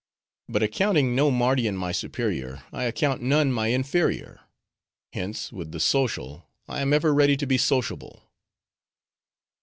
But accounting no Mardian my superior, I account none my inferior; hence, with the social, I am ever ready to be sociable."